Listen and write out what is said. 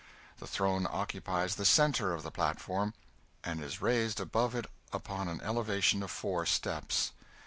The throne occupies the centre of the platform, and is raised above it upon an elevation of four steps.